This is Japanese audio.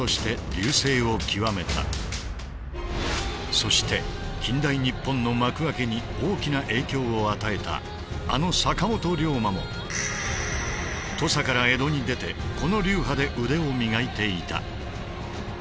そして近代日本の幕開けに大きな影響を与えたあの坂本龍馬も土佐から江戸に出てこの流派で腕を磨いていた。